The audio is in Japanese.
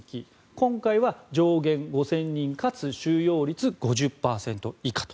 今回は上限５０００人かつ収容率５０％以下と。